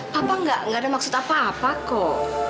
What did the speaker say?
kenapa nggak ada maksud apa apa kok